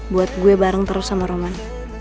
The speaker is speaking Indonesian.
buat gue bareng terus sama roman